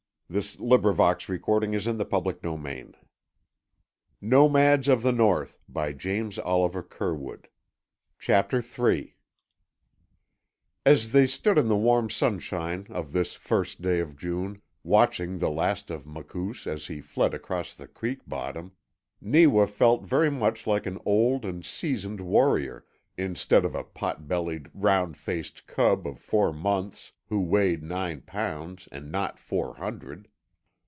Therefore, he was whipped. And with excited little squeaks of joy Neewa ran to his mother. CHAPTER THREE As they stood in the warm sunshine of this first day of June, watching the last of Makoos as he fled across the creek bottom, Neewa felt very much like an old and seasoned warrior instead of a pot bellied, round faced cub of four months who weighed nine pounds and not four hundred.